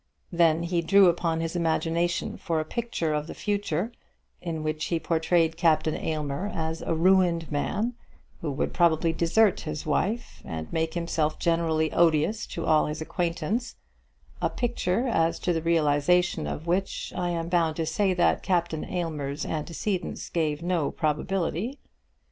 Then he drew upon his imagination for a picture of the future, in which he portrayed Captain Aylmer as a ruined man, who would probably desert his wife, and make himself generally odious to all his acquaintance a picture as to the realisation of which I am bound to say that Captain Aylmer's antecedents gave no probability.